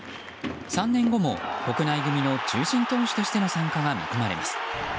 ３年後も国内組の中心投手としての参加が見込まれます。